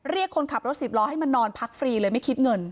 คนขับรถสิบล้อให้มานอนพักฟรีเลยไม่คิดเงิน